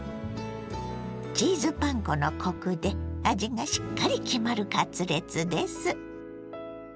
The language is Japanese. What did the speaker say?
チーズパン粉のコクで味がしっかり決まるカツレツです。